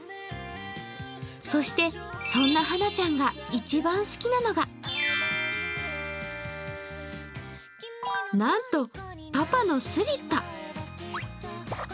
そして、そんなはなちゃんが一番好きなのがなんとパパのスリッパ。